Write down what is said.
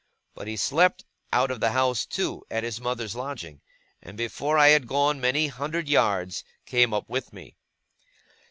But he slept out of the house too, at his mother's lodging; and before I had gone many hundred yards, came up with me.